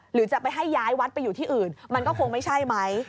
หรือจะไปให้ย้ายวัดไปอยู่ที่อื่นมันก็คงไม่ใช่ไหม